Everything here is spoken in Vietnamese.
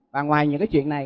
và ngoài những cái chuyện này